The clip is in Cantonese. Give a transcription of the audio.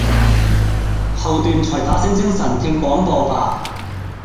後段才打醒精神聽廣播吧！